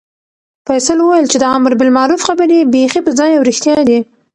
فیصل وویل چې د امربالمعروف خبرې بیخي په ځای او رښتیا دي.